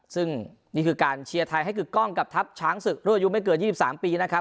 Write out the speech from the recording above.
ซึ่งนี่คือการเชียร์ไทยให้กึกกล้องกับทัพช้างศึกรุ่นอายุไม่เกิน๒๓ปีนะครับ